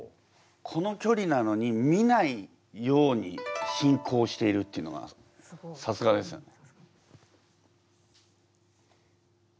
このきょりなのに見ないように進行しているっていうのがさすがですよね。